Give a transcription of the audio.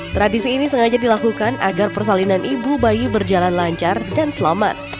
tradisi ini sengaja dilakukan agar persalinan ibu bayi berjalan lancar dan selamat